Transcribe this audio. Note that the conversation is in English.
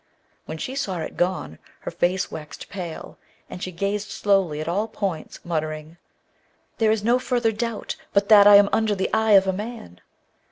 When she saw it gone her face waxed pale, and she gazed slowly at all points, muttering, 'There is no further doubt but that I am under the eye of a man!'